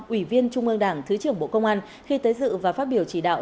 ủy viên trung ương đảng thứ trưởng bộ công an khi tới dự và phát biểu chỉ đạo